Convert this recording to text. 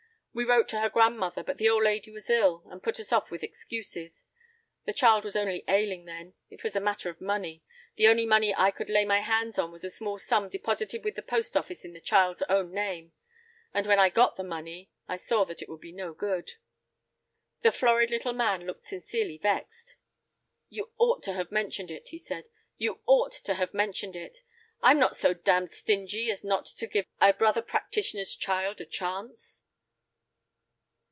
"We wrote to her grandmother, but the old lady was ill, and put us off with excuses. The child was only ailing then. It was a matter of money. The only money I could lay my hands on was a small sum deposited with the post office in the child's own name. And when I got the money—I saw that it would be no good." The florid little man looked sincerely vexed. "You ought to have mentioned it," he said—"you ought to have mentioned it. I'm not so damned stingy as not to give a brother practitioner's child a chance."